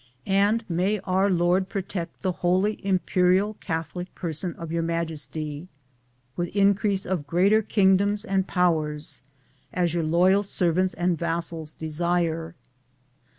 And may Our Lord protect the Holy Imperial Catholic person of Your Majesty, with increase of greater kingdoms and powers, as your loyal servants and vassals desire.